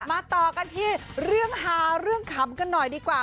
ต่อกันที่เรื่องฮาเรื่องขำกันหน่อยดีกว่า